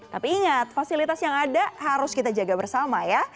tapi ingat fasilitas yang ada harus kita jaga bersama ya